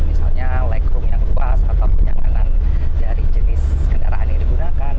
misalnya lag room yang luas atau penyanganan dari jenis kendaraan yang digunakan